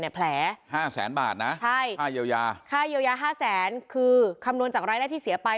แผล๕แสนบาทนะค่าเยียวยา๕แสนคือคำนวณจากรายได้ที่เสียไป